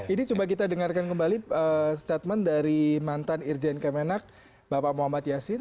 ini coba kita dengarkan kembali statement dari mantan irjen kemenak bapak muhammad yasin